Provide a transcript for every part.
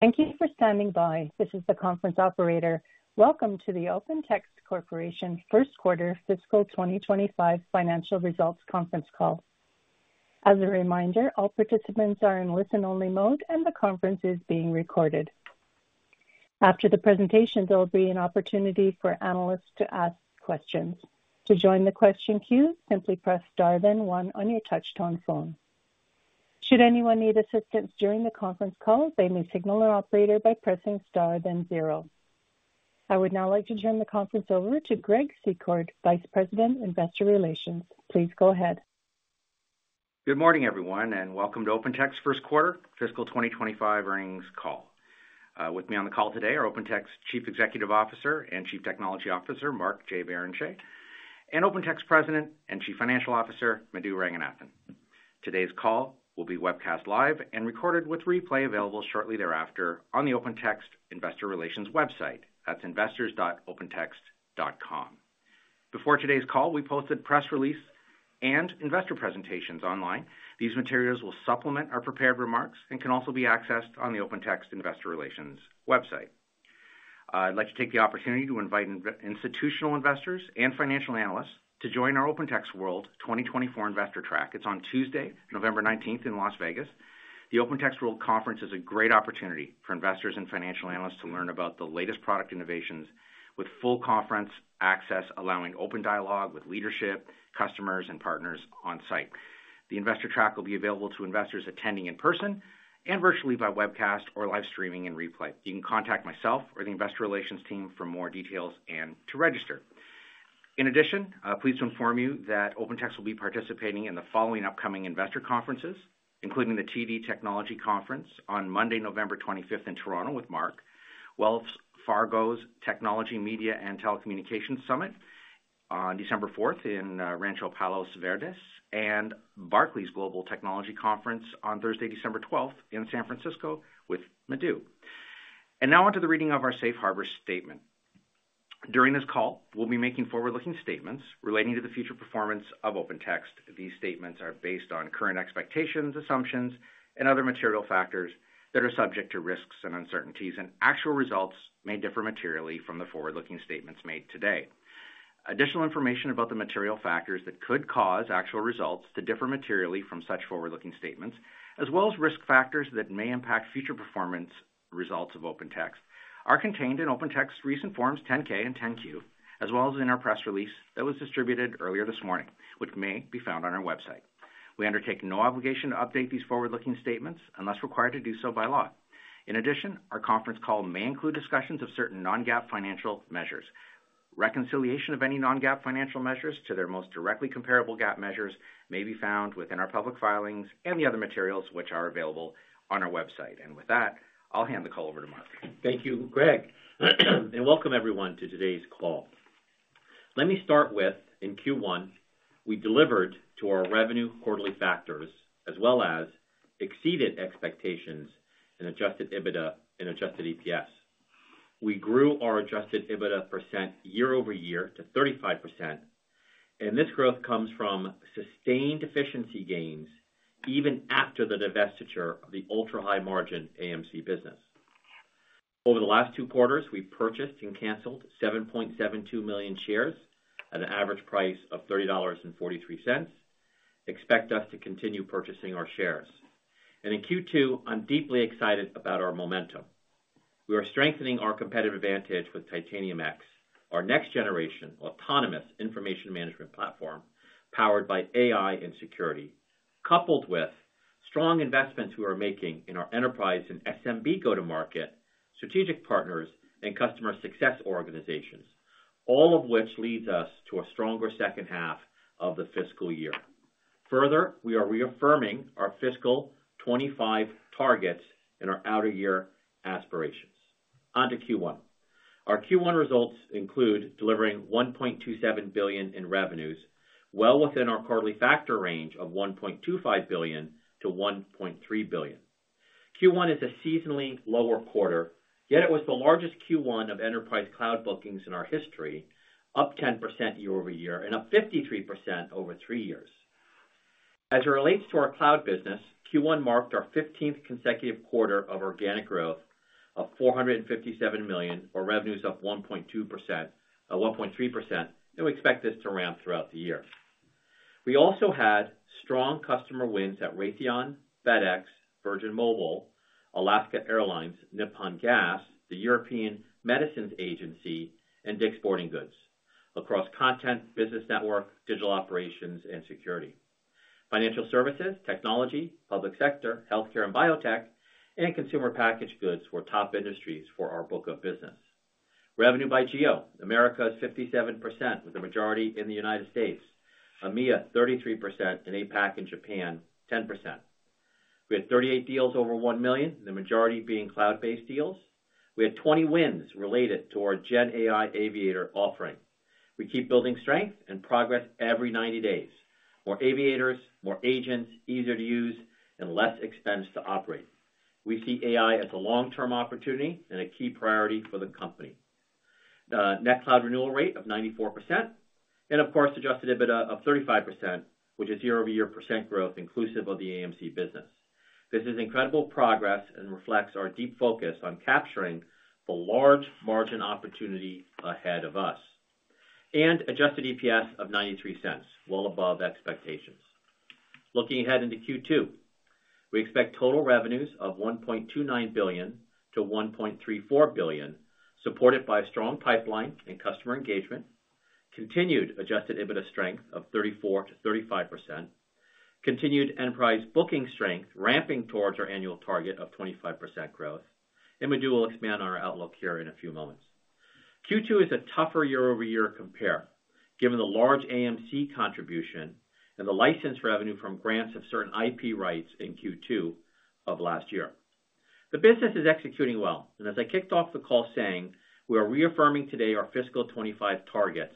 Thank you for standing by. This is the conference Operator. Welcome to the OpenText Corporation first quarter fiscal 2025 financial results conference call. As a reminder, all participants are in listen-only mode and the conference is being recorded. After the presentation, there will be an opportunity for analysts to ask questions. To join the question queue, simply press star then one on your touch-tone phone. Should anyone need assistance during the conference call, they may signal an operator by pressing star then zero. I would now like to turn the conference over to Greg Secord, Vice President, Investor Relations. Please go ahead. Good morning everyone and welcome to OpenText's first quarter fiscal 2025 earnings call. With me on the call today are OpenText Chief Executive Officer and Chief Technology Officer Mark J. Barrenechea and OpenText President and Chief Financial Officer Madhu Ranganathan. Today's call will be webcast live and recorded with replay available shortly thereafter on the OpenText investor relations website. That's investors.opentext.com before today's call, we posted press release and investor presentations online. These materials will supplement our prepared remarks and can also be accessed on the OpenText investor relations website. I'd like to take the opportunity to invite institutional investors and financial analysts to join our OpenText World 2024 Investor Track. It's on Tuesday, November 19th in Las Vegas. The OpenText World Conference is a great opportunity for investors and financial analysts to learn about the latest product innovations with full conference access allowing open dialogue with leadership customers and partners on site. The Investor Track will be available to investors attending in person and virtually by webcast or live streaming and replay. You can contact myself or the Investor Relations team for more details and to register. In addition, please inform you that OpenText will be participating in the following upcoming investor conferences including the TD Technology Conference on Monday, November 25th in Toronto with Mark, Wells Fargo's Technology, Media and Telecommunications Summit on December 4th in Rancho Palos Verdes, and Barclays Global Technology Conference on Thursday, December 12th in San Francisco with Madhu, and now onto the reading of our safe harbor statement. During this call we'll be making forward-looking statements relating to the future performance of OpenText. These statements are based on current expectations, assumptions, and other material factors that are subject to risks and uncertainties, and actual results may differ materially from the forward-looking statements made today. Additional information about the material factors that could cause actual results to differ materially from such forward-looking statements, as well as risk factors that may impact future performance results of OpenText, are contained in OpenText's recent Forms 10-K and 10-Q, as well as in our press release that was distributed earlier this morning, which may be found on our website. We undertake no obligation to update these forward-looking statements unless required to do so by law. In addition, our conference call may include discussions of certain non-GAAP financial measures. Reconciliation of any non-GAAP financial measures to their most directly comparable GAAP measures may be found within our public filings and the other materials which are available on our website, and with that I'll hand the call over to Mark. Thank you, Greg, and welcome everyone to today's call. Let me start with: in Q1, we delivered to our revenue quarterly forecast as well as exceeded expectations and Adjusted EBITDA. In Adjusted EPS, we grew our Adjusted EBITDA margin year-over-year to 35%, and this growth comes from sustained efficiency gains even after the divestiture of the ultra high margin AMC business. Over the last two quarters, we purchased and canceled 7.72 million shares at an average price of $30.43. I expect us to continue purchasing our shares, and in Q2, I'm deeply excited about our momentum. We are strengthening our competitive advantage with Titanium X, our next generation autonomous information management platform powered by AI and security, coupled with strong investments we are making in our enterprise and SMB go-to-market strategic partners and customer success organizations. All of which leads us to a stronger second half of the fiscal year. Further, we are reaffirming our fiscal 2025 targets in our outer year aspirations. On to Q1. Our Q1 results include delivering $1.27 billion in revenues, well within our quarterly factor range of $1.25 billion-$1.3 billion. Q1 is a seasonally lower quarter, yet it was the largest Q1 of enterprise cloud bookings in our history, up 10% year over year and up 53% over three years. As it relates to our cloud business, Q1 marked our 15th consecutive quarter of organic growth of $457 million, our revenues up 1.2%, 1.3% and we expect this to ramp throughout the year. We also had strong customer wins at Raytheon, FedEx, Virgin Mobile, Alaska Airlines, Nippon Gas, the European Medicines Agency and Dick's Sporting Goods. Across Content, Business Network, Digital Operations and Security, financial services, technology, public sector, healthcare and biotech, and consumer packaged goods for top industries. For our book of business, revenue by geo: Americas is 57% with the majority in the United States, EMEA 33%, and APAC and Japan 10%. We had 38 deals over $1 million, the majority being cloud-based deals. We had 20 wins related to our Gen AI Aviator offering. We keep building strength and progress every 90 days. More Aviators, more agents, easier to use and less expense to operate. We see AI as a long-term opportunity and a key priority for the company. The net cloud renewal rate of 94% and, of course, Adjusted EBITDA of 35% which is year-over-year % growth inclusive of the AMC business. This is incredible progress and reflects our deep focus on capturing the large margin opportunity ahead of us and adjusted EPS of $0.93, well above expectations. Looking ahead into Q2, we expect total revenues of $1.29 billion-$1.34 billion supported by a strong pipeline and customer engagement. Continued adjusted EBITDA strength of 34%-35%, continued enterprise booking strength ramping towards our annual target of 25% growth, and Madhu will expand on our outlook here in a few moments. Q2 is a tougher year-over-year compare given the large AMC contribution and the license revenue from grants of certain IP rights in Q2 of last year. The business is executing well, and as I kicked off the call saying, we are reaffirming today our fiscal 2025 targets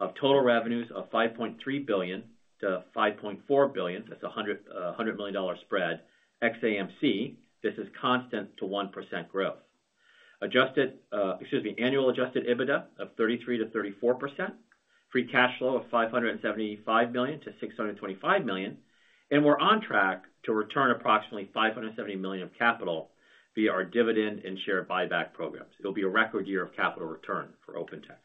of total revenues of $5.3 billion-$5.4 billion. That's $100 million spread across AMC. This is constant-currency 1% growth adjusted. Excuse me, annual adjusted EBITDA of 33%-34%, free cash flow of $575 million-$625 million, and we're on track to return approximately $570 million of capital via our dividend and share buyback programs. It will be a record year of capital return for OpenText.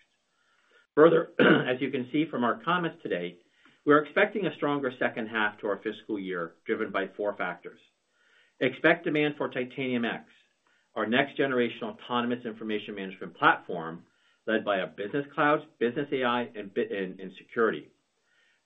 Further, as you can see from our comments today, we are expecting a stronger second half of our fiscal year driven by four factors. We expect demand for Titanium X, our next-generation autonomous information management platform led by a business cloud, business AI, and beating in security.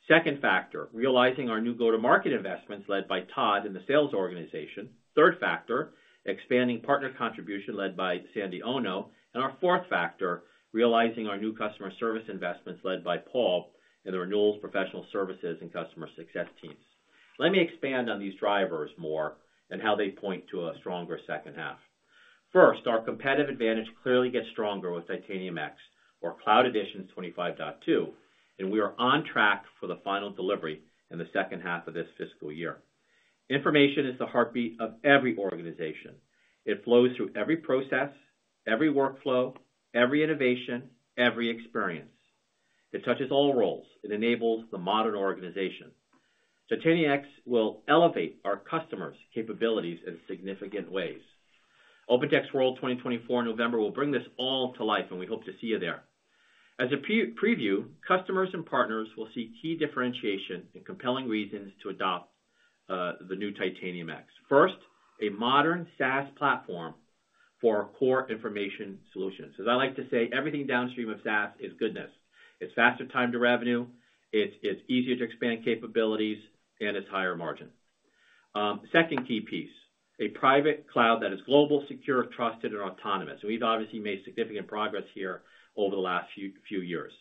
Second factor, realizing our new go-to-market investments led by Todd and the sales organization. Third factor, expanding partner contribution led by Sandy Ono and our fourth factor realizing our new customer service investments led by Paul and the renewals professional services and customer success teams. Let me expand on these drivers more and how they point to a stronger second half. First, our competitive advantage clearly gets stronger with Titanium X or Cloud Editions 25.2 and we are on track for the final delivery in the second half of this fiscal year. Information is the heartbeat of every organization. It flows through every process, every workflow, every innovation, every experience. It touches all roles it enables. The modern organization Titanium X will elevate our customers' capabilities in significant ways. OpenText World 2024 November will bring this all to life and we hope to see you there as a preview. Customers and partners will see key differentiation and compelling reasons to adopt the new Titanium X. First, a modern SaaS platform for our core information solutions. As I like to say, everything downstream of SaaS is goodness. It's faster time to revenue, it's easier to expand capabilities and it's higher margin. Second key piece: a private cloud that is global, secure, trusted and autonomous and we've obviously made significant progress here over the last few years,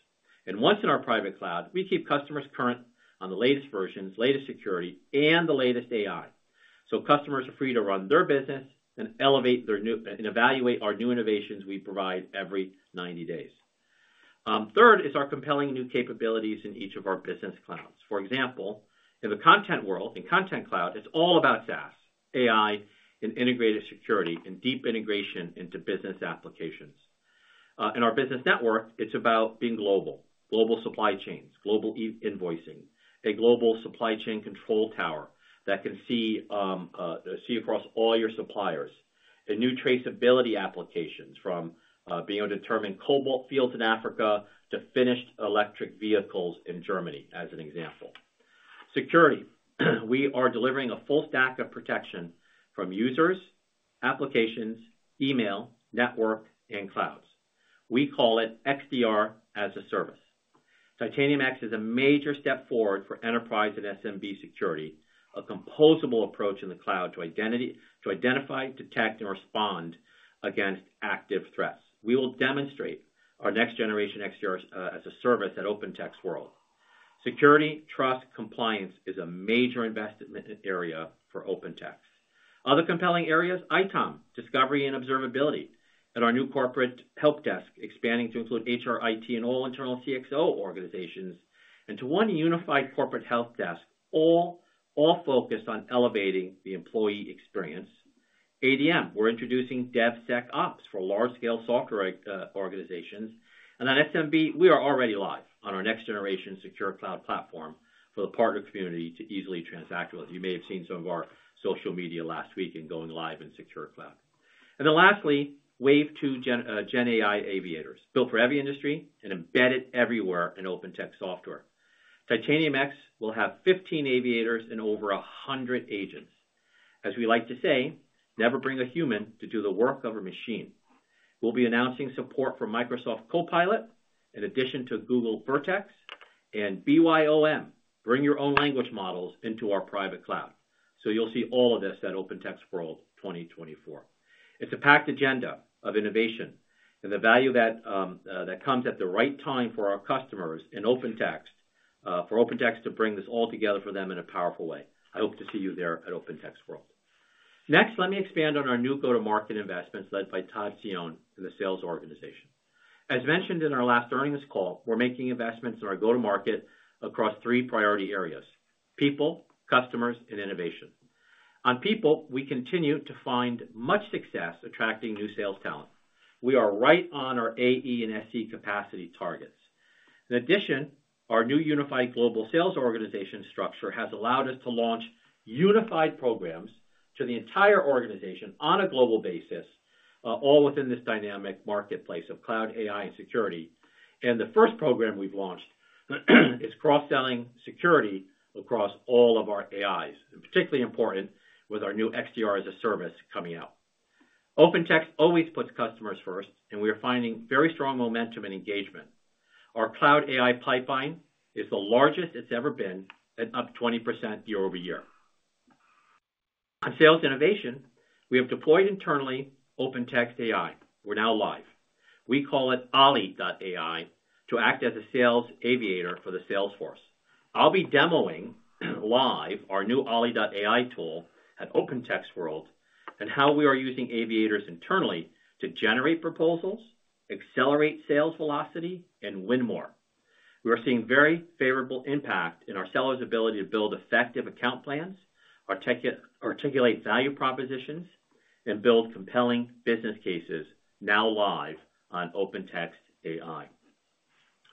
and once in our private cloud we keep customers current on the latest versions, latest security and the latest AI, so customers are free to run their business and elevate their new and evaluate our new innovations we provide every 90 days. Third is our compelling new capabilities in each of our business clouds. For example, in the content world. In Content Cloud, it's all about SaaS, AI and Integrated Security and deep integration into business applications. In our Business Network, it's about being global. Global supply chains, global invoicing, a global supply chain control tower that can see across all your suppliers and new traceability applications from being able to determine cobalt fields in Africa to finished electric vehicles in Germany as an example. Security, we are delivering a full stack of protection from users, applications, email, network and clouds. We call it XDR as a Service. Titanium X is a major step forward for enterprise and SMB security, a composable approach in the cloud to identify, detect and respond against active threats. We will demonstrate our next generation XDR as a Service at OpenText World. Security, Trust, compliance is a major investment area for OpenText. Other compelling areas: ITOM discovery and observability at our new corporate help desk expanding to include HR, IT and all internal CxO organizations and to one unified corporate help desk all focused on elevating the employee experience. ADM, we're introducing DevSecOps for large-scale software organizations and at SMB we are already live on our next-generation Secure Cloud platform for the partner community to easily transact with. You may have seen some of our social media last week and going live in Secure Cloud and then lastly Wave 2 Gen AI Aviators built for every industry and embedded everywhere in OpenText software. Titanium X will have 15 Aviators and over 100 agents. As we like to say, never bring a human to do the work of a machine. We'll be announcing support for Microsoft Copilot in addition to Google Vertex and BYOM. Bring your own language models into our private cloud so you'll see all of this at OpenText World 2024. It's a packed agenda of innovation and the value that comes at the right time for our customers in OpenText for OpenText to bring this all together for them in a powerful way. I hope to see you there at OpenText World. Next, let me expand on our new go-to-market investments led by Todd Cione, the sales organization. As mentioned in our last earnings call, we're making investments in our go-to-market across three priority areas: people, customers, and innovation. On people, we continue to find much success attracting new sales talent. We are right on our AE and SE capacity targets. In addition, our new unified global sales organization structure has allowed us to launch unified programs to the entire organization on a global basis, all within this dynamic marketplace of cloud AI and security. And the first program we've launched is cross selling security across all of our AIs. Particularly important with our new XDR as a Service coming out, OpenText always puts customers first and we are finding very strong momentum and engagement. Our cloud AI pipeline is the largest it's ever been and up 20% year-over-year. On sales innovation we have deployed internally OpenText AI. We're now live we call it Olli AI to act as a sales aviator for the Salesforce. I'll be demoing live our new Olli AI tool at OpenText World and how we are using aviators internally to generate proposals, accelerate sales velocity and win more. We are seeing very favorable impact in our sellers ability to build effective account plans, articulate value propositions and build compelling business cases. Now live on OpenText AI.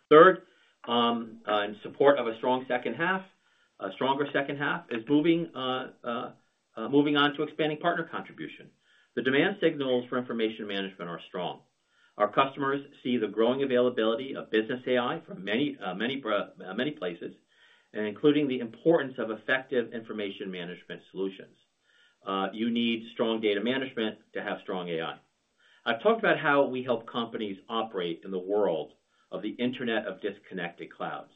Third in support of a strong second half. A stronger second half is moving on to expanding partner contribution. The demand signals for information management are strong. Our customers see the growing availability of business AI from many places including the importance of effective information management solutions. You need strong data management to have strong AI. I've talked about how we help companies operate in the world of the Internet of disconnected clouds.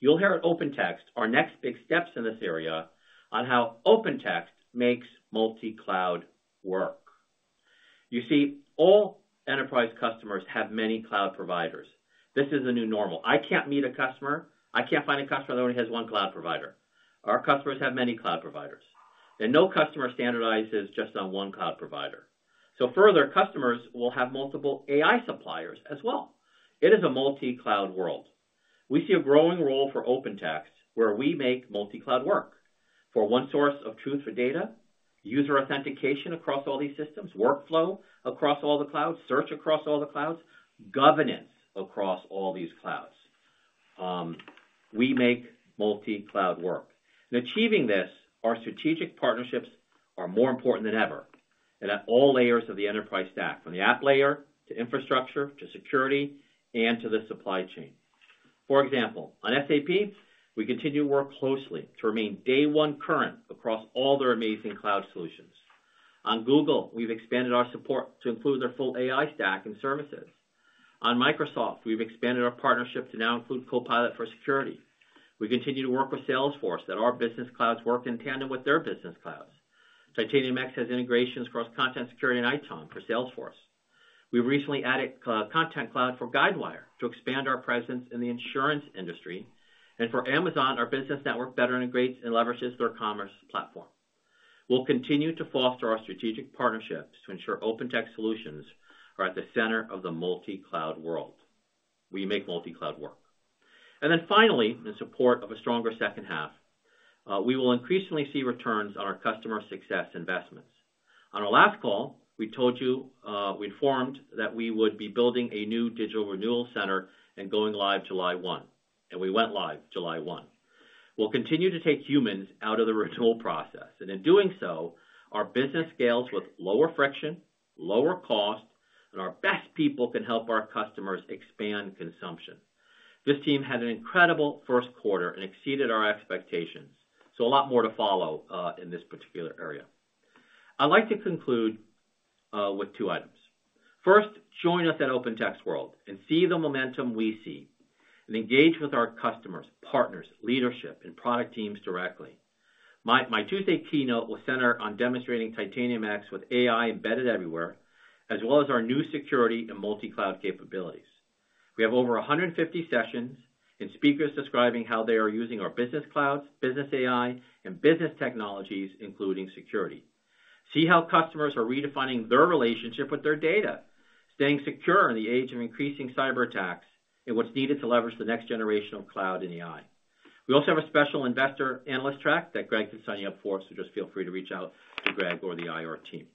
You'll hear at OpenText our next big steps in this area on how OpenText makes multi-cloud work. You see all enterprise customers have many cloud providers. This is a new normal. I can't meet a customer. I can't find a customer that only has one cloud provider. Our customers have many cloud providers and no customer standardizes just on one cloud provider. So further customers will have multiple AI suppliers as well. It is a multi-cloud world. We see a growing role for OpenText where we make multi-cloud work for one source of truth for data user authentication across all these systems, workflow across all the clouds, search across all the clouds, governance across all these clouds. We make multi-cloud work. In achieving this, our strategic partnerships are more important than ever and at all layers of the enterprise stack, from the app layer to infrastructure to security and to the supply chain. For example, on SAP we continue to work closely to remain day one current across all their amazing cloud solutions. On Google we've expanded our support to include their full AI stack and services. On Microsoft, we've expanded our partnership to now include Copilot. For security, we continue to work with Salesforce that our business clouds work in tandem with their business clouds. Titanium X has integrations across content security and ITOM for Salesforce. We recently added Content Cloud for Guidewire to expand our presence in the insurance industry and for Amazon, our Business Network better integrates and leverages their commerce platform. We'll continue to foster our strategic partnerships to ensure OpenText solutions are at the center of the multi-cloud world. We make multi-cloud work and then finally in support of a stronger second half, we will increasingly see returns on our customer success investments. On our last call we told you we informed that we would be building a new digital renewal center and going live July 1st and we went live July 1st. We'll continue to take humans out of the renewal process and in doing so our business scales with lower friction, lower cost and our best people can help our customers expand consumption. This team had an incredible first quarter and exceeded our expectations, so a lot more to follow in this particular area. I'd like to conclude with two items. First, join us at OpenText World and see the momentum we see and engage with our customers, partners, leadership and product teams directly. My Tuesday keynote will center on demonstrating Titanium X with AI embedded everywhere as well as our new security and multi-cloud capabilities. We have over 150 sessions and speakers describing how they are using our business clouds, business AI and business technologies including security. See how customers are redefining their relationship with their data, staying secure in the age of increasing cyber attacks and what's needed to leverage the next generation of cloud in the AI. We also have a special investor analyst track that Greg can sign you up for, so just feel free to reach out to Greg or the IR team.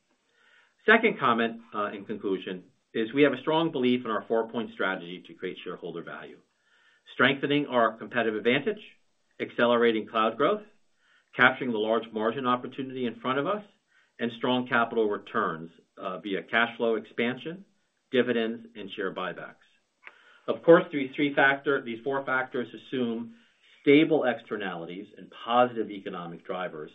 Second comment in conclusion is we have a strong belief in our four-point strategy to create shareholder value, strengthening our competitive advantage, accelerating cloud growth, capturing the large margin opportunity in front of us, and strong capital returns via cash flow expansion, dividends and share buybacks. Of course, these four factors assume stable externalities and positive economic drivers.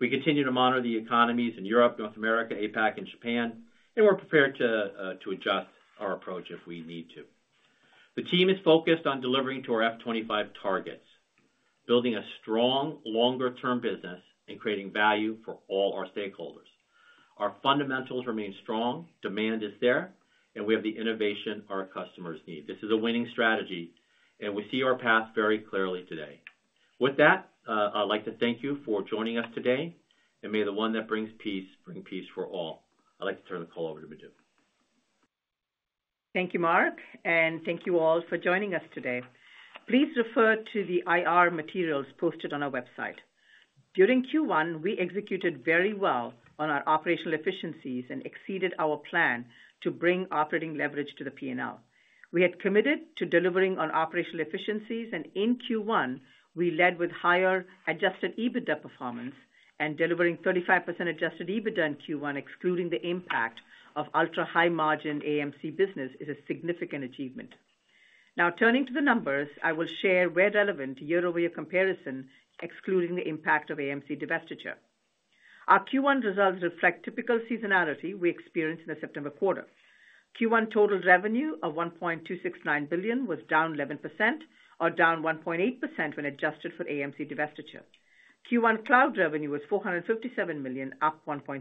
We continue to monitor the economies in Europe, North America, APAC and Japan and we're prepared to adjust our approach if we need to. The team is focused on delivering to our fiscal 2025 targets, building a strong longer term business and creating value for all our stakeholders. Our fundamentals remain strong, demand is there and we have the innovation our customers need. This is a winning strategy and we see our path very clearly today. With that, I'd like to thank you for joining us today and may the one that brings peace bring peace for all. I'd like to turn the call over to Madhu. Thank you, Mark, and thank you all for joining us today. Please refer to the IR materials posted on our website. During Q1, we executed very well on our operational efficiencies and exceeded our plan to bring operating leverage to the P&L. We had committed to delivering on operational efficiencies, and in Q1 we led with higher adjusted EBITDA performance and delivering 35% adjusted EBITDA in Q1 excluding the impact of ultra high margin AMC business. This is a significant achievement. Now turning to the numbers, I will share where relevant year-over-year comparison excluding the impact of AMC divestiture. Our Q1 results reflect typical seasonality we experienced in the September quarter. Q1 total revenue of $1.269 billion was down 11% or down 1.8% when adjusted for AMC divestiture. Q1 cloud revenue was $457 million up 1.3%.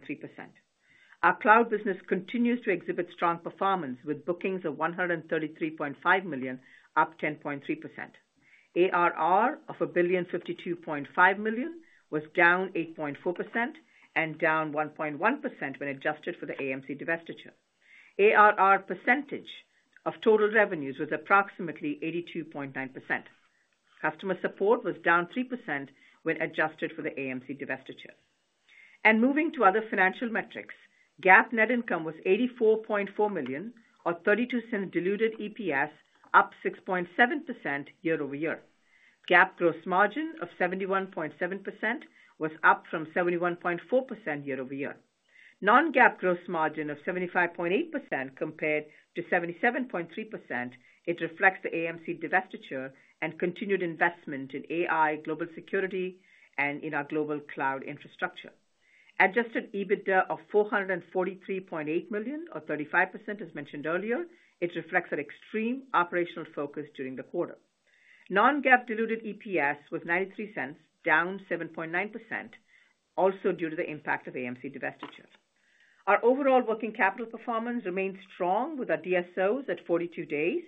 Our cloud business continues to exhibit strong performance with bookings of $133.5 million up 10.3%. ARR of $1,052,500,000 was down 8.4% and down 1.1% when adjusted for the AMC divestiture. ARR percentage of total revenues was approximately 82.9%. Customer support was down 3% when adjusted for the AMC divestiture. Moving to other financial metrics, GAAP net income was $84.4 million or $0.32. Diluted EPS up 6.7% year-over-year. GAAP gross margin of 71.7% was up from 71.4% year-over-year. Non-GAAP gross margin of 75.8% compared to 77.3%. It reflects the AMC divestiture and continued investment in AI, global security, and in our global cloud infrastructure. Adjusted EBITDA of $443.8 million or 35%. As mentioned earlier, it reflects our extreme operational focus during the quarter. Non-GAAP diluted EPS was $0.93, down 7.9%. Also, due to the impact of AMC divestiture, our overall working capital performance remains strong with our DSOs at 42 days,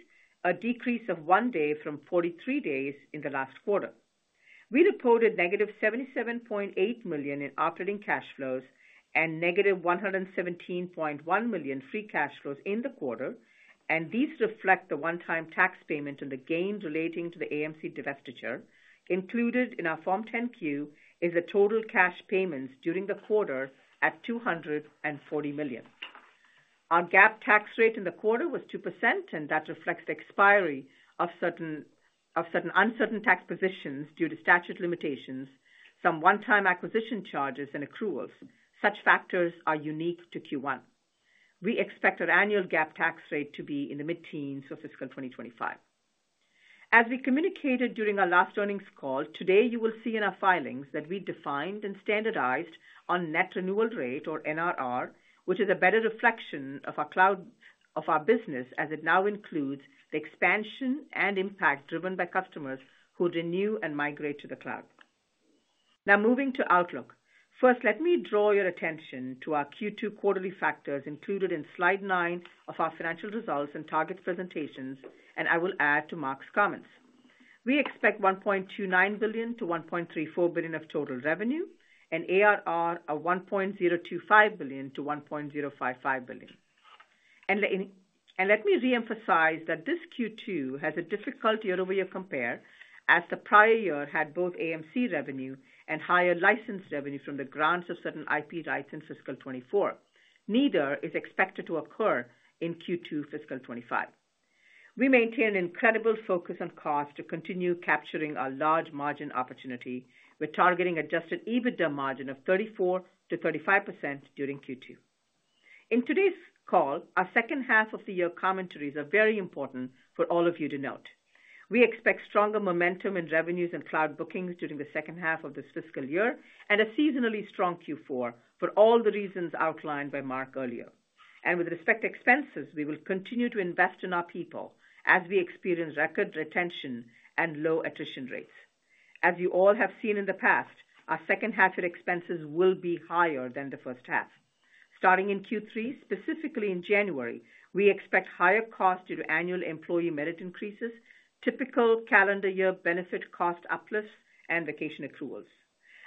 a decrease of one day from 43 days in the last quarter. We reported -$77.8 million in operating cash flows and -$117.1 million free cash flows in the quarter and these reflect the one-time tax payment and the gains relating to the AMC divestiture. Included in our Form 10-Q is the total cash payments during the quarter at $240 million. Our GAAP tax rate in the quarter was 2% and that reflects the expiry of certain uncertain tax positions due to statute of limitations, some one-time acquisition charges and accruals. Such factors are unique to Q1. We expect our annual GAAP tax rate to be in the mid-teens of fiscal 2025. As we communicated during our last earnings call today. You will see in our filings that we defined and standardized on net renewal rate or NRR, which is a better reflection of our cloud and our business as it now includes the expansion and impact driven by customers who renew and migrate to the cloud. Now moving to outlook. First, let me draw your attention to our Q2 quarterly factors included in Slide 9 of our financial results and target presentations, and I will add to Mark's comments. We expect $1.29 billion-$1.34 billion of total revenue and ARR of $1.025 billion-$1.055 billion, and let me reemphasize that this Q2 has a difficult year-over-year compare as the prior year had both AMC revenue and higher license revenue from the grants of certain IP rights in fiscal 2024. Neither is expected to occur in Q2 fiscal 2025. We maintain an incredible focus on cost to continue capturing our large margin opportunity. We're targeting Adjusted EBITDA margin of 34%-35% during Q2 in today's call. Our second half of the year commentaries are very important for all of you to note. We expect stronger momentum in revenues and cloud bookings during the second half of this fiscal year and a seasonally strong Q4 for all the reasons outlined by Mark earlier. And with respect to expenses, we will continue to invest in our people as we experience record retention and low attrition rates. As you all have seen in the past, our second half year expenses will be higher than the first half starting in Q3. Specifically in January. We expect higher costs due to annual employee merit increases, typical calendar year benefit cost uplifts and vacation accruals.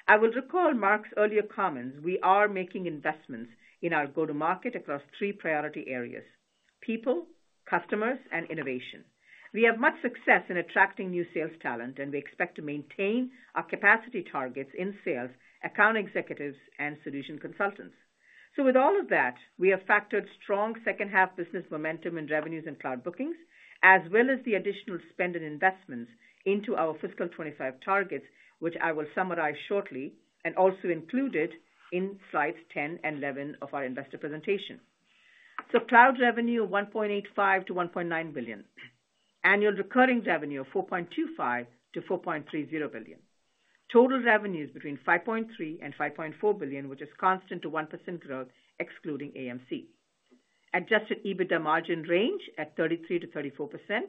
I will recall Mark's earlier comments. We are making investments in our go-to-market across three priority areas, people, customers, and innovation. We have much success in attracting new sales talent, and we expect to maintain our capacity targets in sales account executives and solution consultants. With all of that, we have factored strong second-half business momentum in revenues and cloud bookings, and as well as the additional spend and investments, into our fiscal 2025 targets, which I will summarize shortly and also included in slides 10 and 11 of our investor presentation. Cloud revenue of $1.85 billion-$1.9 billion, annual recurring revenue of $4.25 billion-$4.30 billion, total revenues between $5.3 billion and $5.4 billion, which is constant-currency 1% growth excluding AMC. Adjusted EBITDA margin range at 33%-34%.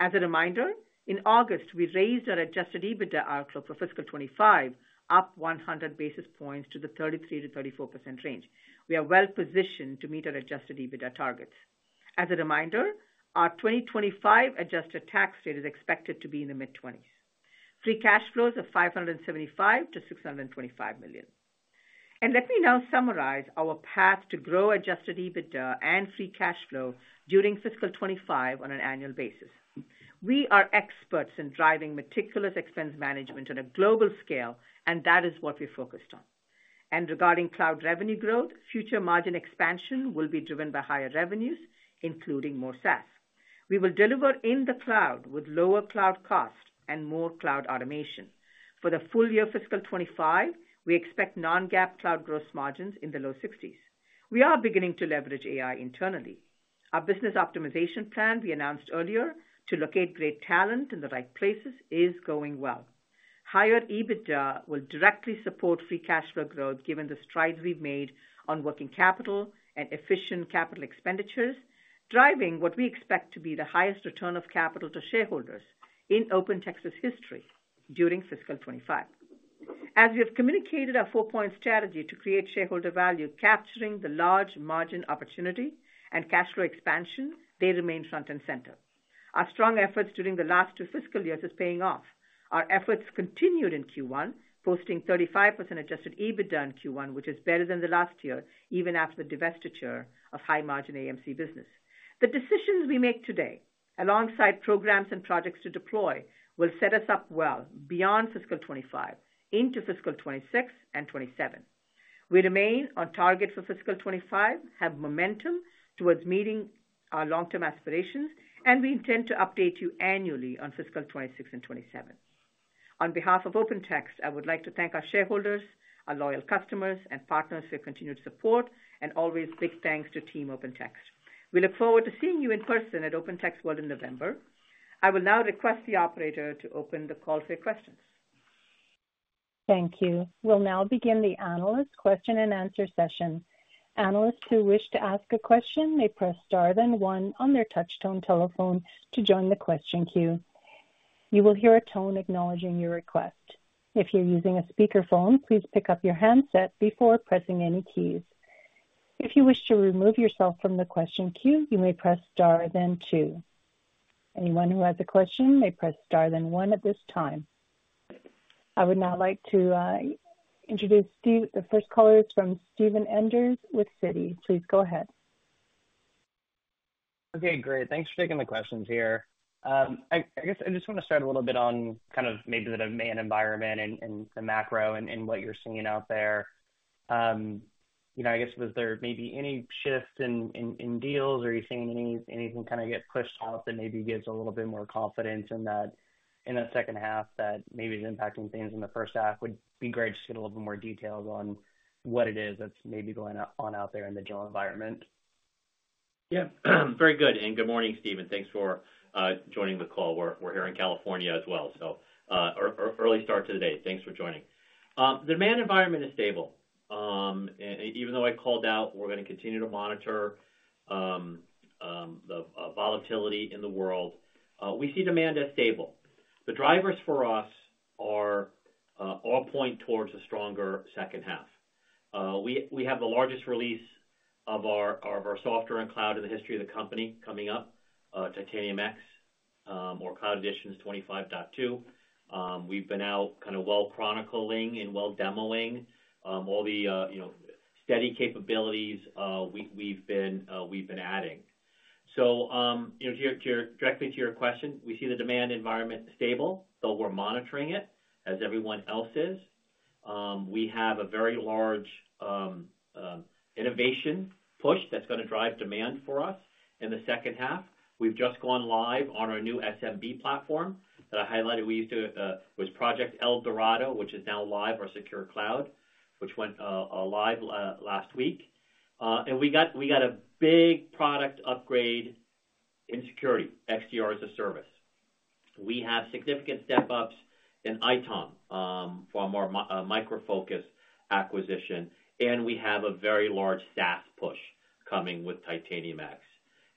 As a reminder, in August we raised our adjusted EBITDA outlook for fiscal 2025 up 100 basis points to the 33%-34% range. We are well positioned to meet our adjusted EBITDA targets. As a reminder, our 2025 adjusted tax rate is expected to be in the mid-20s%. Free cash flow of $575 million-$625 million and let me now summarize our path to grow adjusted EBITDA and free cash flow during fiscal 2025 on an annual basis. We are experts in driving meticulous expense management on a global scale and that is what we focused on and regarding cloud revenue growth. Future margin expansion will be driven by higher revenues including more SaaS we will deliver in the cloud with lower cloud cost and more cloud automation. For the full year fiscal 2025, we expect non-GAAP cloud gross margins in the low 60s. We are beginning to leverage AI internally. Our business optimization plan we announced earlier to locate great talent in the right places is going well. Higher EBITDA will directly support free cash flow growth. Given the strides we've made on working capital and efficient capital expenditures driving what we expect to be the highest return of capital to shareholders in OpenText's history. During fiscal 2025 as we have communicated our four-point strategy to create shareholder value capturing the large margin opportunity and cash flow expansion, they remain front and center. Our strong efforts during the last two fiscal years is paying off. Our efforts continued in Q1, posting 35% adjusted EBITDA in Q1 which is better than the last year. Even after the divestiture of high margin AMC business, the decisions we make today alongside programs and projects to deploy will set us up well beyond fiscal 2025 into fiscal 2026 and 2027. We remain on target for fiscal 25, have momentum towards meeting our long term aspirations and we intend to update you annually on fiscal 2026 and 2027. On behalf of OpenText, I would like to thank our shareholders, our loyal customers and partners for your continued support and always big thanks to Team OpenText. We look forward to seeing you in person at OpenText World in November. I will now request the operator to open the call for questions. Thank you. We'll now begin the analyst question and answer session. Analysts who wish to ask a question may press star then one on their touchtone telephone to join the question queue. You will hear a tone acknowledging your request. If you're using a speakerphone, please pick up your handset before pressing any keys. If you wish to remove yourself from the question queue, you may press star then two. Anyone who has a question may press star then one. At this time, I would now like to introduce the first caller, Steven Enders with Citi. Please go ahead. Okay, great. Thanks for taking the questions here. I guess I just want to start. A little bit on kind of maybe the demand environment and the macro and what you're seeing out there. I guess was there maybe any shift in deals? Are you seeing anything kind of get pushed out that maybe gives a little bit more confidence in that second half that maybe is impacting things in the first half? Would be great. Just get a little bit more details on what it is that's maybe going on out there in the deal environment. Yeah, very good and good morning Steven, thanks for joining the call. We're here in California as well, so early start to the day. Thanks for joining. The demand environment is stable even though I called out. We're going to continue to monitor the volatility in the world. We see demand as stable. The drivers for us are all point towards a stronger second half. We have the largest release of our software and cloud in the history of the company coming up. Titanium X or Cloud Editions 25.2 we've been out kind of well chronicling and well demoing all the steady capabilities we've been adding. So to directly to your question, we see the demand environment stable though we're monitoring it as everyone else is. We have a very large innovation push that's going to drive demand for us in the second half. We've just gone live on our new SMB platform that I highlighted. We used to was Project El Dorado which is now live, our Secure Cloud which went live last week and we got a big product upgrade in security XDR as a Service. We have significant step-ups in ITOM from the Micro Focus acquisition, and we have a very large SaaS push coming with Titanium X.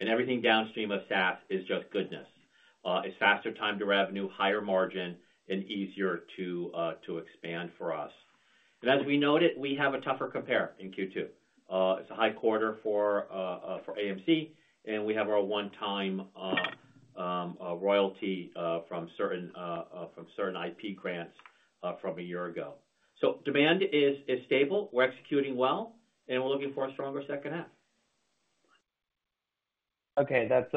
And everything downstream of SaaS is just goodness, it's faster time to revenue, higher margin and easier to expand for us. And as we noted, we have a tougher compare in Q2. It's a high quarter for AMC and we have our one-time royalty from certain IP grants from a year ago, so demand is stable, we're executing well and we're looking for a stronger second half. Okay, that's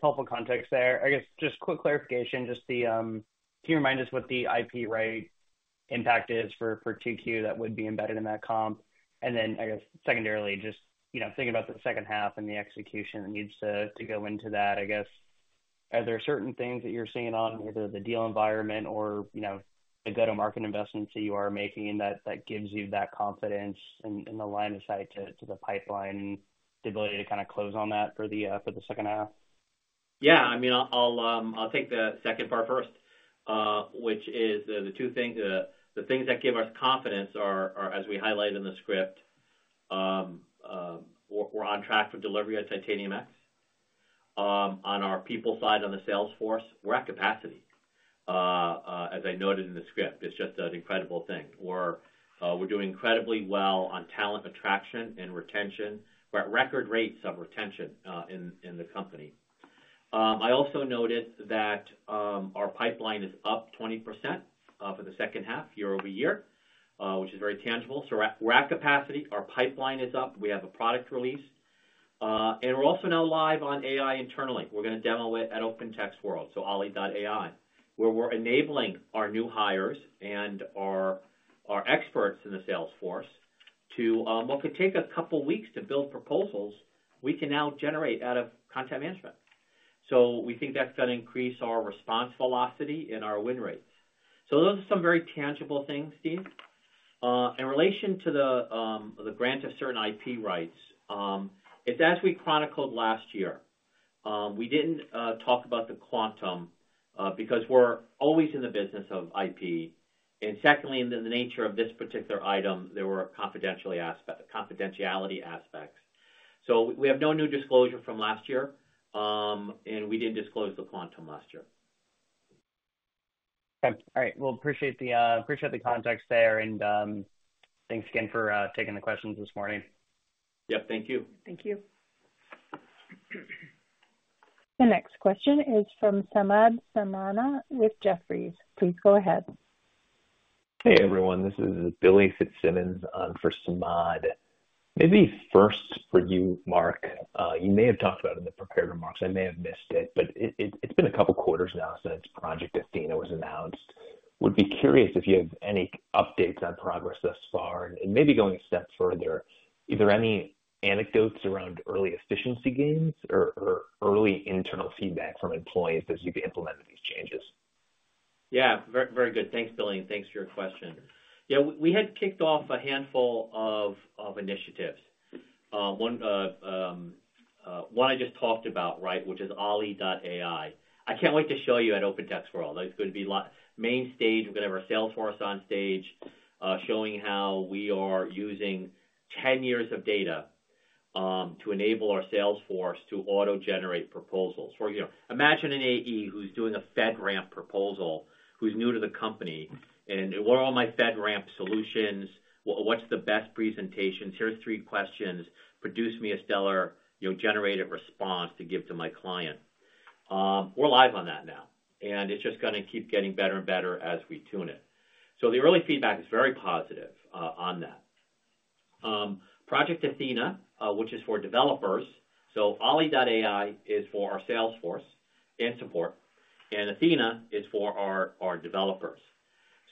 helpful context there, I guess. Just quick clarification. Can you remind us what the IP right impact is for Q2 that would be embedded in that comp? And then I guess secondarily just, you know, thinking about the second half and the execution needs to go into that, I guess. Are there certain things that you're seeing on either the deal environment or the go-to-market investments that you are making that gives you that confidence in the line of sight to the pipeline and the ability to kind of close on that for the second half? Yeah, I mean, I'll take the second part first, which is the two things. The things that give us confidence are as we highlighted in the script. We'Re. On track for delivery at Titanium X. On our people side, on the Salesforce, we're at capacity, as I noted in the script. It's just an incredible thing. We're doing incredibly well on talent attraction and retention. We're at record rates of retention in the company. I also noted that our pipeline is up 20% for the second half year-over-year, which is very tangible. So we're at capacity, our pipeline is up, we have a product release and we're also now live on AI internally. We're going to demo it at OpenText World. So Olli AI, where we're enabling our new hires and our experts in the Salesforce to what could take a couple weeks to build proposals we can now generate out of content management. So we think that's going to increase our response velocity and our win rate. So those are some very tangible things, Steve, in relation to the grant of certain IP rights. It's as we chronicled last year, we didn't talk about the quantum because we're always in the business of IP. And secondly, in the nature of this particular item there were confidentiality aspects. So we have no new disclosure from last year and we didn't disclose the quantum last year. All right, well, appreciate the context there and thanks again for taking the questions this morning. Yep, thank you. Thank you. The next question is from Samad Samana with Jefferies, please go ahead. Hey everyone, this is Billy Fitzsimmons on for Samad. Maybe first for you, Mark, you may have talked about in the prepared remarks. I may have missed it, but it's been a couple quarters now since Project Athena was announced. Would be curious if you have any updates on progress thus far and maybe going a step further, is there any anecdotes around early efficiency gains or early internal feedback from employees as you've implemented these changes? Yeah, very good. Thanks, Billy, and thanks for your question. We had kicked off a handful of initiatives, one I just talked about, which is Olli AI. I can't wait to show you. At OpenText World, it's going to be main stage. We're going to have our Salesforce on stage showing how we are using 10 years of data to enable our Salesforce to auto generate proposals. For example, imagine an AE who's doing a FedRAMP proposal, who's new to the company and what are all my FedRAMP solutions? What's the best presentations? Here's three questions. Produce me a stellar, you know, generate a response to give to my client. We're live on that now and it's just going to keep getting better and better as we tune it. So the early feedback is very positive on that Project Athena, which is for developers. Olli AI is for our Salesforce and support and Athena is for our developers.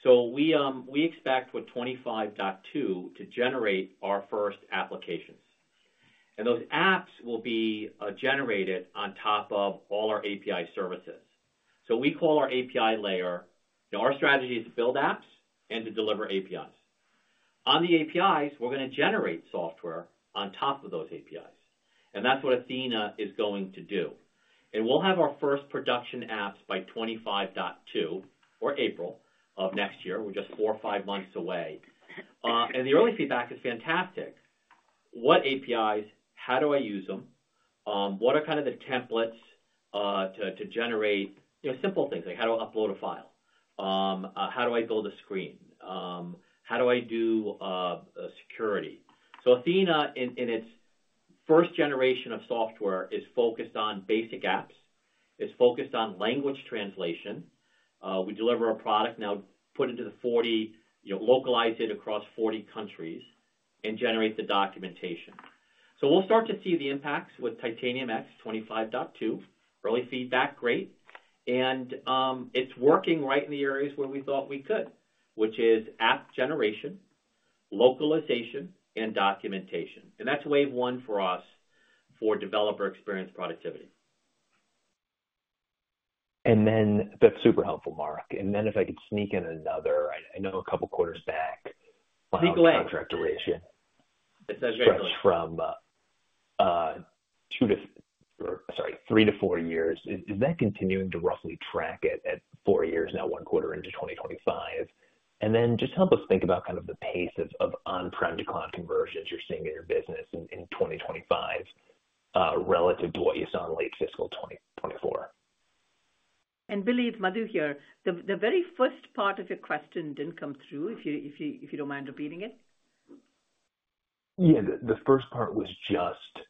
We expect with 25.2 to generate our first applications and those apps will be generated on top of all our API services. We call our API layer. Our strategy is to build apps and to deliver APIs. On the APIs, we're going to generate software on top of those APIs and that's what Athena is going to do. We'll have our first production apps by 25.2 or April of next year. We're just four or five months away and the early feedback is fantastic. What APIs, how do I use them? What are kind of the templates to generate? Simple things like how to upload a file, how do I build a screen, how do I do security? Athena in its first generation of software is focused on basic apps. It's focused on language translation. We deliver a product now put into the 40, localize it across 40 countries and generate the documentation. So we'll start to see the impacts with Titanium X 25.2 early feedback. Great. And it's working right in the areas where we thought we could, which is app generation, localization and documentation. And that's wave one for us for developer experience, productivity. And then that's super helpful, Mark. And then if I could sneak in another, I know a couple quarters back. Duration from. Two to, sorry, three to four years. Is that continuing to roughly track it at four years now, one quarter into 2025? And then just help us think about kind of the pace of on prem to cloud conversions you're seeing in your business in 2025 relative to what you saw in late fiscal 2024. Billy, it's Madhu here. The very first part of your question didn't come through, if you don't mind repeating it. Yeah, the first part was just,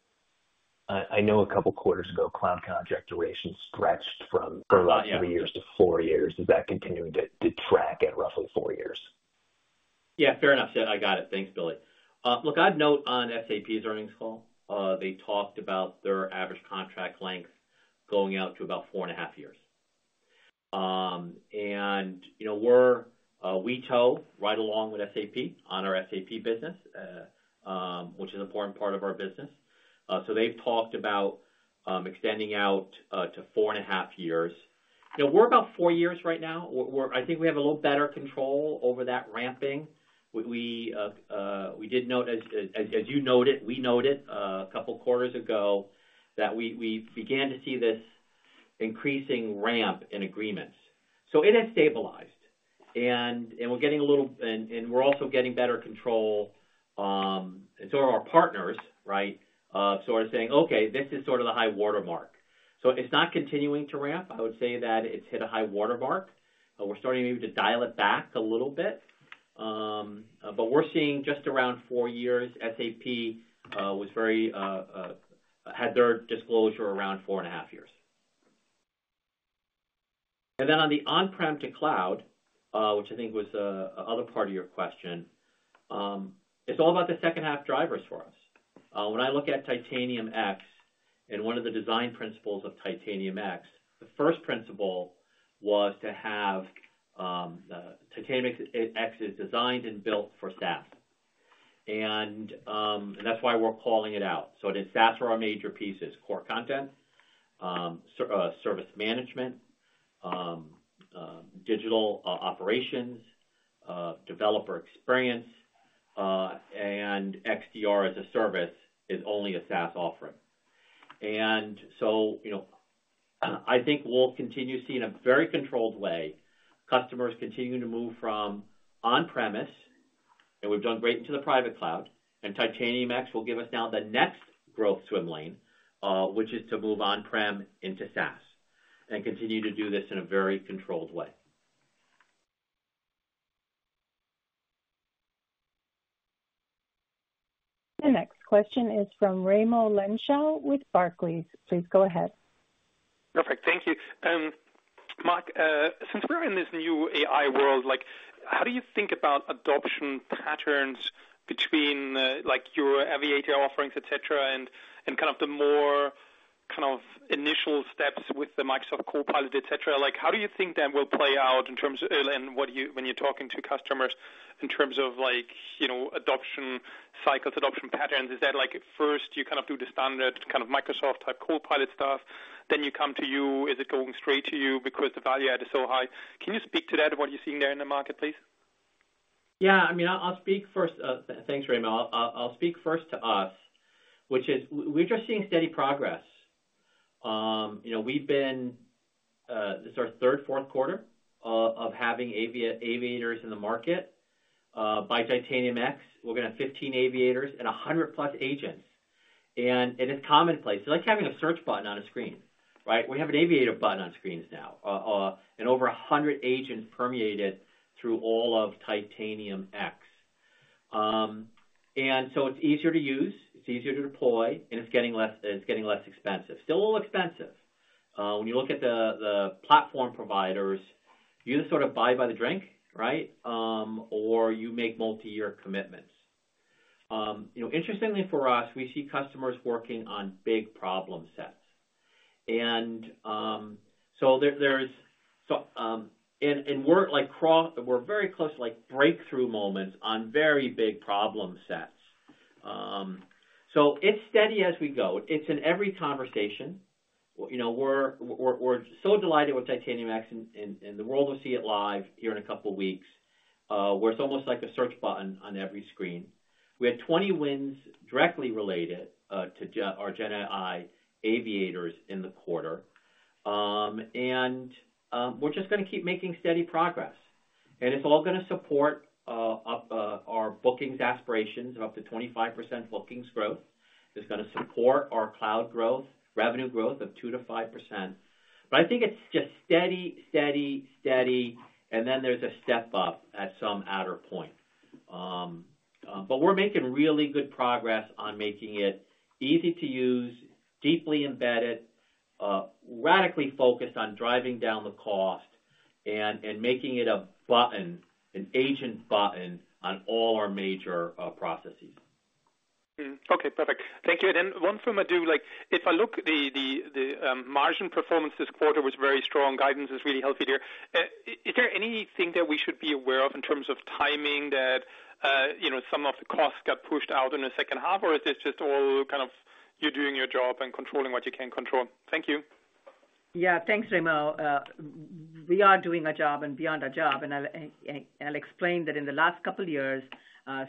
I know, a couple quarters ago cloud contract duration stretched from three years to four years. Is that continuing to track at roughly four years? Yeah, fair enough, Sid. I got it. Thanks, Billy. Look, I'd note on SAP's earnings call they talked about their average contract length going out to about four and a half years. And you know we're, we toe right along with SAP on our SAP business, which is an important part of our business. So they've talked about extending out to four and a half years. You know, we're about four years right now. I think we have a little better control over that ramping. We did notice as you noted, we noted a couple quarters ago that we began to see this increasing ramp in agreements. So it has stabilized and we're getting a little. And we're also getting better control and so are our partners. Right. Sort of saying, okay, this is sort of the high water mark, so it's not continuing to ramp. I would say that it's hit a high water mark. We're starting maybe to dial it back a little bit, but we're seeing just around four years. SAP had their disclosure around four and a half years. And then on the on-prem to cloud, which I think was other part of your question. It's all about the second half drivers for us. When I look at Titanium X and one of the design principles of Titanium X, the first principle was to have Titanium X is designed and built for SaaS and that's why we're calling it out. So that's where our major pieces, Core Content, Service Management, Digital Operations, Developer experience and XDR as a Service is only a SaaS offering. And so, I think we'll continue to see, in a very controlled way, customers continuing to move from on-premises, and we've done great into the private cloud. And Titanium X will give us now the next growth swim lane, which is to move on-premises into SaaS and continue to do this in a very controlled way. The next question is from Raimo Lenschow with Barclays, please. Go ahead. Perfect. Thank you. Mark. Since we're in this new AI world, how do you think about adoption patterns between your Aviator offerings, et cetera, and the more initial steps with the Microsoft Copilot, et cetera? How do you think that will play out in terms, when you're talking to customers in terms of like adoption cycles, adoption patterns? Is that like at first you kind of do the standard, kind of Microsoft type Copilot stuff, then you come to you? Is it going straight to you because the value add is so high? Can you speak to that, what you're seeing there in the market, please? Yeah, I mean, I'll speak first. Thanks, Raimo. I'll speak first to us, which is we're just seeing steady progress. You know, we've been, this is our third, fourth quarter of having Aviators in the market. By Titanium X, we're going to have 15 Aviators and 100 plus agents. And it's commonplace, like having a search button on a screen. Right. We have an Aviator button on screens now and over 100 agents permeated through all of Titanium X. And so it's easier to use, it's easier to deploy and it's getting less, it's getting less expensive. Still a little expensive. When you look at the platform providers, you either sort of buy by the drink, right, or you make multi-year commitments. You know, interestingly for us, we see customers working on big problem sets. And so there's, and we're like, we're very close to like breakthrough moments on very big problem sets. So it's steady as we go. It's in every conversation. You know, we're so delighted with Titanium X and the world will see it live here in a couple weeks where it's almost like a search button on every screen. We had 20 wins directly related to our GenAI Aviators in the quarter and. We're just going to keep making steady progress, and it's all going to support our bookings aspirations of up to 25% bookings growth. It is going to support our cloud growth, revenue growth of 2%-5%. But I think it's just steady, steady, steady. And then there's a step up at some later point. But we're making really good progress on making it easy to use, deeply embedded, radically focused on driving down the cost and making it a button, an agent button on all our major processes. Okay, perfect, thank you. And then one from. I do like, if I look the margin performance this quarter was very strong. Guidance is really healthy there. Is there anything that we should be? Aware of in terms of timing that, you know, some of the costs got pushed out in the second half? Or is this just all kind of you doing your job and controlling what you can control? Thank you. Yeah, thanks, Raimo. We are doing a job and beyond our job. I'll explain that. In the last couple years,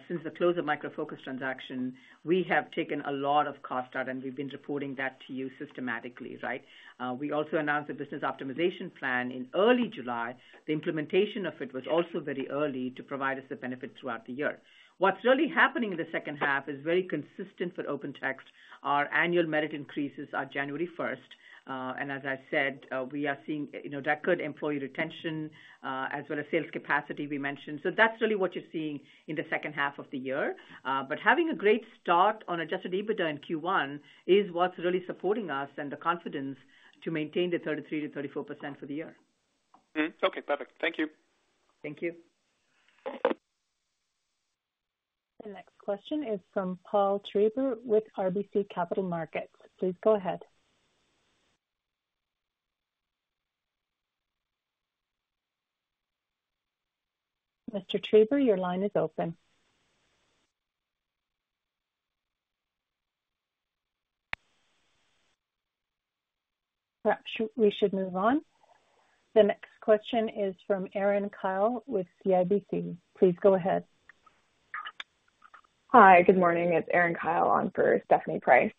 since the close of Micro Focus transaction, we have taken a lot of cost out and we've been reporting that to you systematically. Right. We also announced a business optimization plan in early July. The implementation of it was also very early to provide us the benefit throughout the year. What's really happening in the second half is very consistent for OpenText. Our annual merit increases are January 1st, and as I said, we are seeing record employee retention as well as sales capacity we mentioned. So that's really what you're seeing in the second half of the year. Having a great start on Adjusted EBITDA in Q1 is what's really supporting us and the confidence to maintain the 33%-34% for the year. Okay, perfect. Thank you. Thank you. The next question is from Paul Treiber with RBC Capital Markets. Please go ahead, Mr. Treiber. Your line is open. Perhaps we should move on. The next question is from Erin Kyle with CIBC Capital Markets. Please go ahead. Hi, good morning. It's Erin Kyle on for Stephanie Price.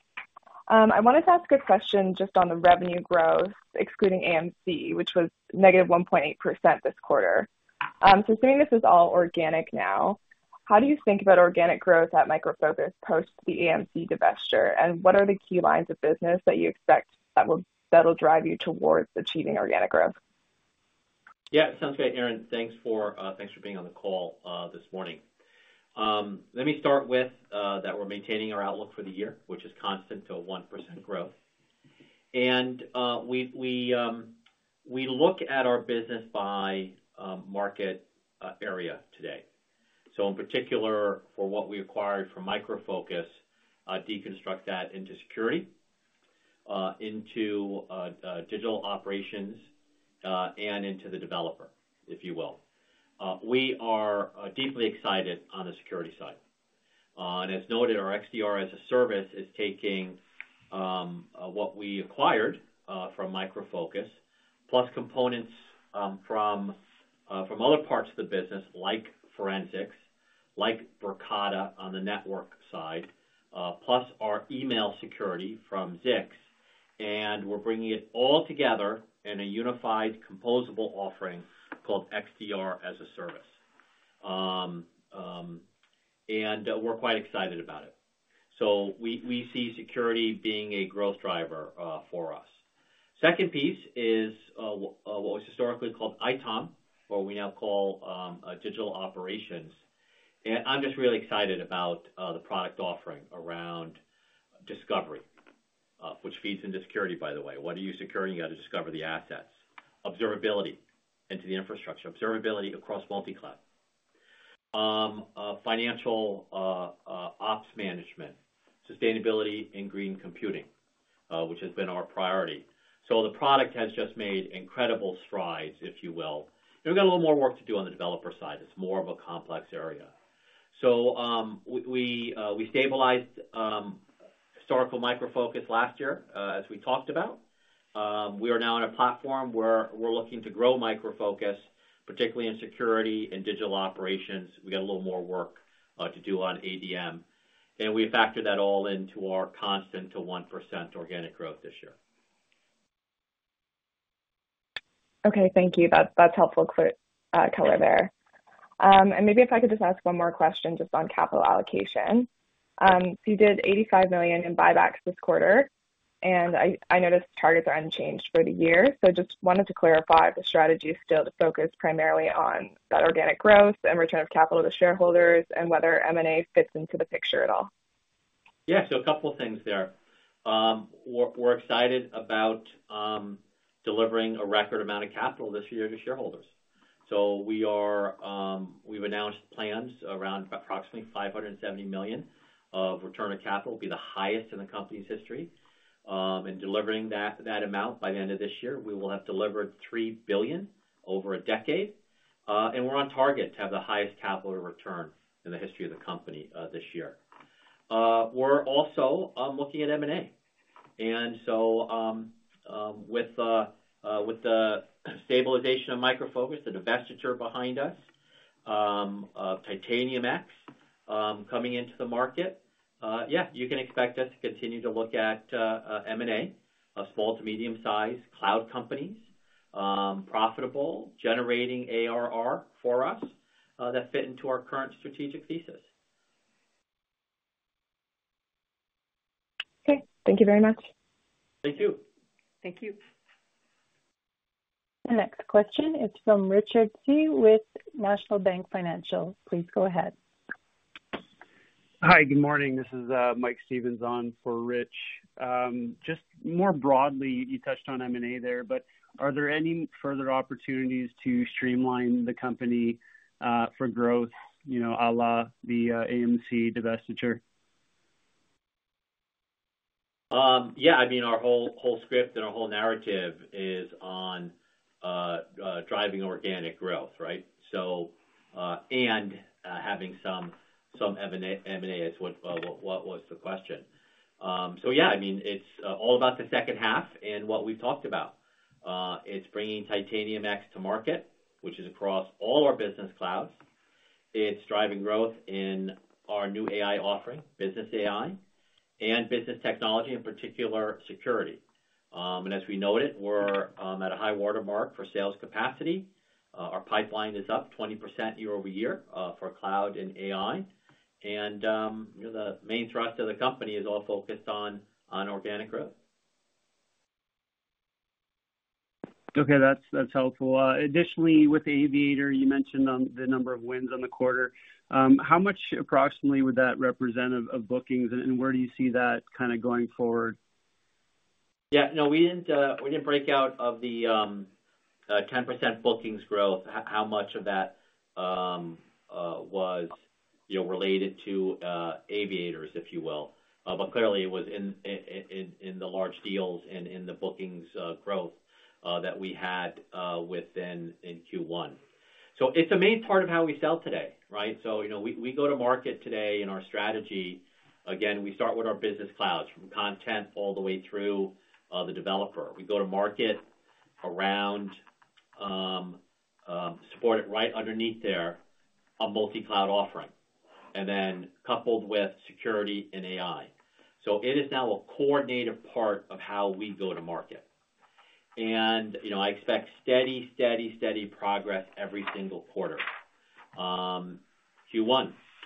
I wanted to ask a question just on the revenue growth, excluding AMC, which was -1.8% this quarter. So assuming this is all organic now, how do you think about organic growth at Micro Focus post the AMC divestiture? And what are the key lines of business that you expect that will drive you towards achieving organic growth? Yes, sounds great. Aaron, thanks for being on the call this morning. Let me start with that. We're maintaining our outlook for the year, which is constant to a 1% growth. And we look at our business by market area today. So in particular, for what we acquired from Micro Focus, deconstruct that into security, into digital operations and into the developer, if you will. We are deeply excited on the security side. And as noted, our XDR as a Service is taking what we acquired from Micro Focus, plus components from other parts of the business, like forensics, like Bricata on the network. So plus our email security from Zix. And we're bringing it all together in a unified composable offering called XDR as a Service. And we're quite excited about it. So we see security being a growth driver for us. Second piece is what was historically called ITOM or we now call Digital Operations, and I'm just really excited about the product offering around discovery, which feeds into security, by the way. What are you securing? You got to discover the assets, observability into the infrastructure, observability across multi-cloud financial ops, management, sustainability and green computing, which has been our priority, so the product has just made incredible strides, if you will. We've got a little more work to do on the developer side. It's more of a complex area, so we stabilized historical Micro Focus last year. As we talked about, we are now in a platform where we're looking to grow Micro Focus, particularly in security and Digital Operations. We got a little more work to do on ADM and we factored that all into our constant to 1% organic growth this year. Okay, thank you. That's helpful. Color there. And maybe if I could just ask one more question just on capital allocation, you did $85 million in buybacks this quarter and I noticed targets are unchanged for the year. So just wanted to clarify the strategy still to focus primarily on that organic growth and return of capital to shareholders and whether M&A fits into the picture at all. Yeah, so a couple of things there. We're excited about delivering a record amount of capital this year to shareholders. So we are. We've announced plans around approximately $570 million of return of capital, be the highest in the company's history. And delivering that amount by the end of this year, we will have delivered $3 billion over a decade and we're on target to have the highest capital return in the history of the company this year. We're also looking at M&A. And so with the stabilization of Micro Focus, the divestiture behind us, Titanium X coming into the market. Yeah. You can expect us to continue to look at M&A small- to medium-sized cloud companies profitable generating ARR for us that fit into our current strategic thesis. Okay, thank you very much. Thank you. Thank you. The next question is from Richard Tse with National Bank Financial. Please go ahead. Hi, good morning. This is Mike Stevens on for Rich. Just more broadly, you touched on M&A there, but are there any further opportunities to streamline the company for growth, you know, a la the AMC divestiture? Yeah, I mean our whole script and our whole narrative is on driving organic growth. Right. So. And having some M&A is what. What was the question? So, yeah, I mean it's all about the second half and what we've talked about. It's bringing Titanium X to market, which is across all our business clouds. It's driving growth in our new AI offering business AI and business technology, in particular security. And as we noted, we're at a high watermark for sales capacity. Our pipeline is up 20% year-over-year for cloud and AI. And the main thrust of the company is all focused on organic growth. Okay, that's, that's helpful. Additionally, with Aviator, you mentioned the number of wins on the quarter. How much approximately would that represent of bookings and where do you see that kind of going forward? Yeah, no, we didn't break out of the 10% bookings growth. How much of that was, you know, related to Aviators, if you will. But clearly it was in the large deals and in the bookings growth that we had within Q1. So it's a main part of how we sell today. Right. So you know, we go to market today in our strategy. Again, we start with our business clouds from content all the way through the developer. We go to market around support it right underneath there a multi-cloud offering and then coupled with security and AI. So it is now a coordinated part of how we go to market. And you know, I expect steady, steady, steady progress every single quarter. Q1,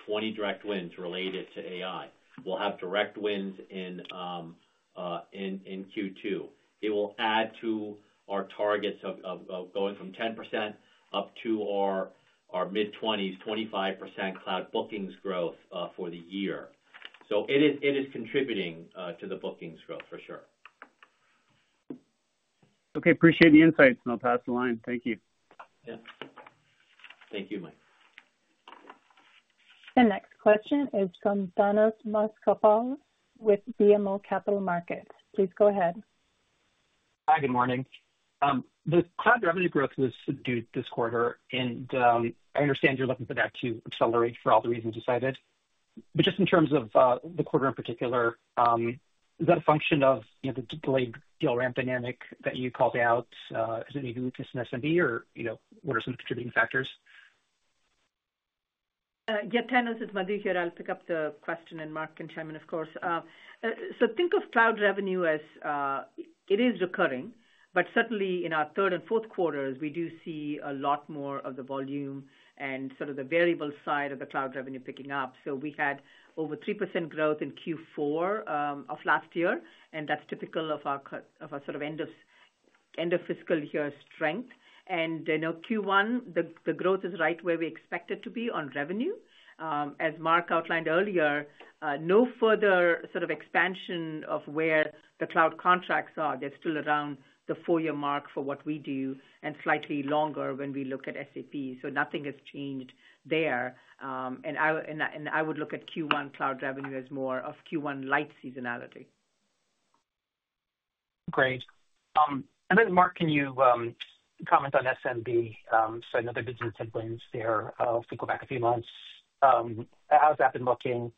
20 direct wins related to AI. We'll have direct wins in Q2. It will add to our targets of going from 10% up to our mid-20s, 25% cloud bookings growth for the year. So it is contributing to the bookings growth for sure. Okay, appreciate the insights and I'll pass the line. Thank you. Thank you, Mike. The next question is from Thanos Moschopoulos with BMO Capital Markets. Please go ahead. Hi, good morning. The cloud revenue growth was subdued this. Quarter and I understand you're looking for that to accelerate for all the reasons you cited. But just in terms of the quarter in particular, is that a function of the delayed deal ramp dynamic that you called out? Is it any weakness in SMB or what are some contributing factors? Yeah, it's Madhu here. I'll pick up the question and Mark can chime in, of course. So think of cloud revenue as it is recurring, but certainly in our third and fourth quarters, we do see a lot more of the volume and sort of the variable side of the cloud revenue picking up. So we had over 3% growth in Q4 of last year and that's typical of our sort of end of fiscal year strength and Q1. The growth is right where we expect it to be on revenue, as Mark outlined earlier. No further sort of expansion of where the cloud contracts are. They're still around the four year mark for what we do and slightly longer when we look at SAP. So nothing has changed there. And I would look at Q1 cloud revenue as more of Q1-like seasonality. Great. And then, Mark, can you comment on SMB? So, another business headwinds there. If we go back a few months, how's that been looking?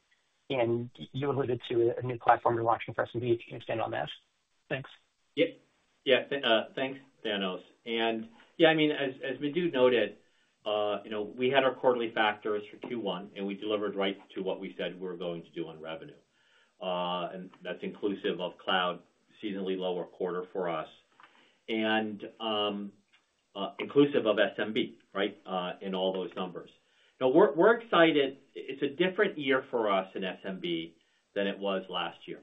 And you alluded to a new platform you're launching for SMB. Can you expand on that? Thanks. Yeah, yeah, thanks, Thanos. Yeah, I mean, as Madhu noted, you know, we had our quarterly results for Q1 and we delivered right to what we said we're going to do on revenue. That's inclusive of cloud, seasonally lower quarter for us and inclusive of SMB. Right. In all those numbers. Now we're excited. It's a different year for us in SMB than it was last year,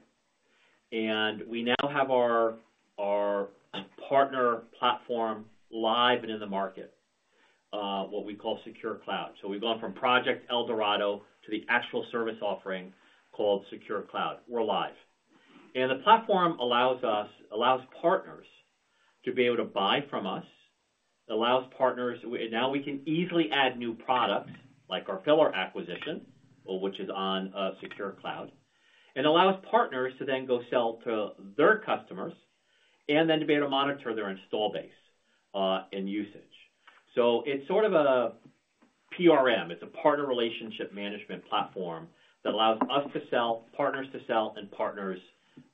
and we now have our partner platform live and in the market, what we call Secure Cloud. So we've gone from Project El Dorado to the actual service offering called Secure Cloud. We're live and the platform allows us, allows partners to be able to buy from us. Now we can easily add new products like our Pillr acquisition, which is on Secure Cloud and allows partners to then go sell to their customers and then to be able to monitor their installed base and usage. So it's sort of a PRM. It's a partner relationship management platform that allows us to sell, partners to sell and partners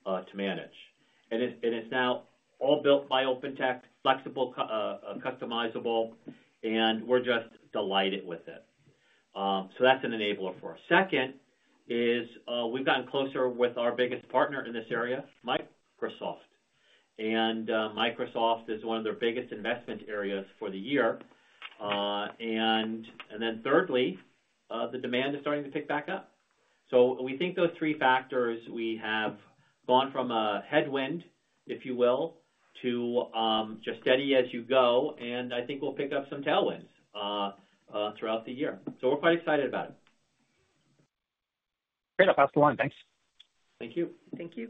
to manage, and it's now all built by OpenText, flexible, customizable, and we're just delighted with it. So that's an enabler for us. Second is we've gotten closer with our biggest partner in this area, Microsoft. And Microsoft is one of their biggest investment areas for the year. And then thirdly, the demand is starting to pick back up. So we think those three factors, we have gone from a headwind, if you will, to just steady as you go. And I think we'll pick up some tailwinds throughout the year. So we're quite excited about it. Great. I'll pass the line, thanks. Thank you. Thank you.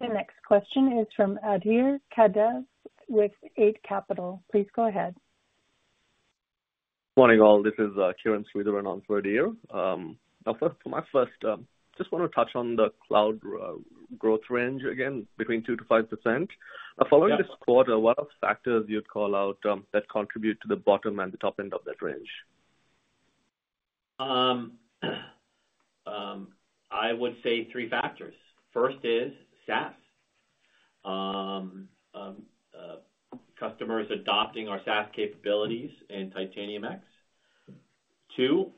The next question is from Adhir Kadve with Eight Capital. Please go ahead. Morning all. This is Kieran Switzer on the line for my first. Just want to touch on the cloud growth range again, between 2%-5% following this quarter. What are the factors you'd call out that contribute to the bottom and the top end of that range? I would say three factors. First is SaaS customers adopting our SaaS capabilities in Titanium X, too,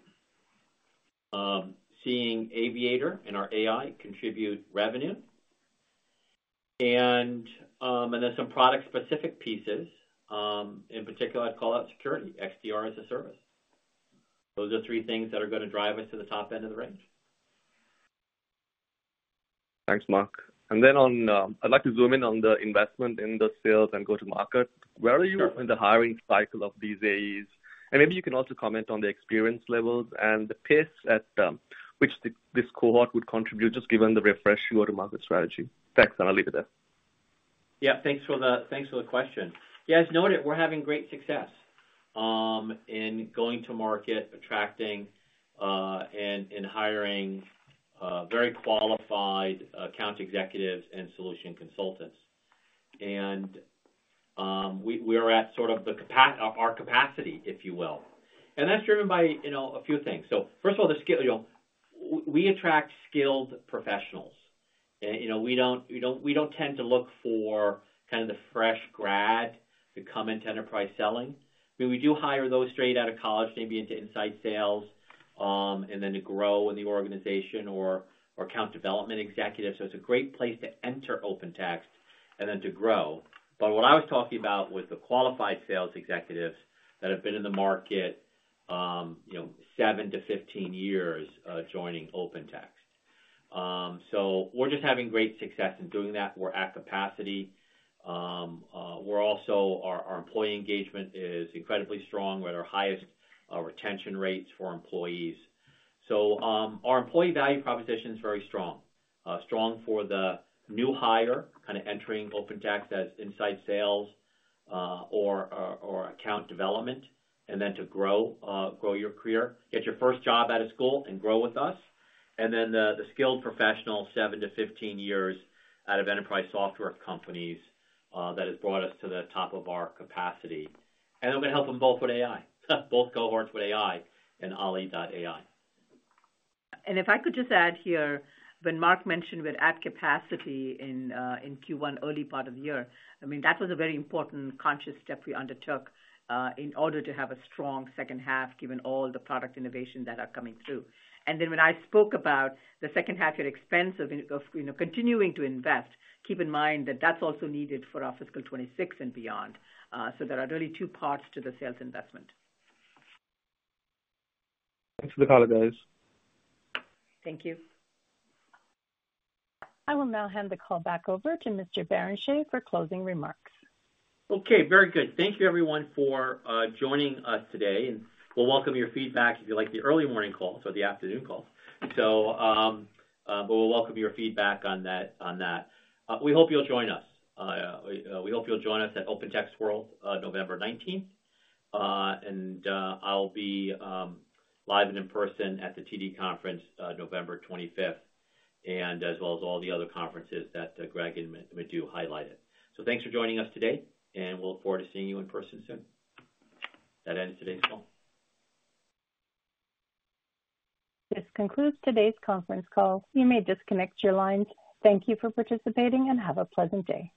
seeing Aviator and our AI contribute revenue and then some product specific pieces. In particular, I'd call out XDR as a Service. Those are three things that are going to drive us to the top end of the range. Thanks, Mark. And then on, I'd like to zoom in on the investment in the sales and go-to-market. Where are you in the hiring cycle of these AEs? And maybe you can also comment on the experience levels and the pace at which this cohort would contribute just given the refreshed go-to-market strategy. Thanks, and I'll leave it there. Yeah, thanks for the question. Yeah, as noted, we're having great success in going to market, attracting and hiring very qualified account executives and solution consultants. And we are at sort of our capacity, if you will. And that's driven by, you know, a few things. So first of all the skill. You know, we attract skilled professionals. You know, we don't tend to look for kind of the fresh graduation to come into enterprise selling. We do hire those straight out of college, maybe into inside sales and then to grow in the organization or account development executives. So it's a great place to enter OpenText and then to grow. But what I was talking about was the qualified sales executives that have been in the market seven to 15 years joining OpenText. So we're just having great success in doing that. We're at capacity. We're also our employee engagement is incredibly strong with our highest retention rates for employees. Our employee value proposition is very strong, strong for the new hire kind of entering OpenText as inside sales or account development. To grow your career, get your first job out of school and grow with us. The skilled professional seven to 15 years out of enterprise software companies that has brought us to the top of our capacity. I'm going to help them both with AI, both cohorts with AI and Olli AI. If I could just add here, when Mark mentioned we're at capacity in Q1 early part of the year, I mean that was a very important conscious step we undertook in order to have a strong second half given all the product innovation that are coming through. And then when I spoke about the second half, the expense of continuing to invest, keep in mind that that's also needed for our fiscal 2026 and beyond. So there are really two parts to the sales investment. Thanks for calling, guys. Thank you. I will now hand the call back over to Mr. Barrenechea for closing remarks. Okay, very good. Thank you everyone for joining us today and we'll welcome your feedback if you like the early morning calls or the afternoon calls, so we'll welcome your feedback on that. We hope you'll join us at OpenText World November 19th, and I'll be live and in person at the TD Conference November 25th and as well as all the other conferences that Greg and Madhu highlighted. So thanks for joining us today and we'll look forward to seeing you in person soon. That ends today's call. This concludes today's conference call. You may disconnect your lines. Thank you for participating and have a pleasant day.